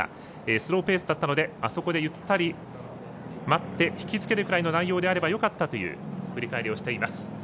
スローペースだったのであそこでゆったり待ってひきつけるくらいの内容であればよかったと振り返りをしています。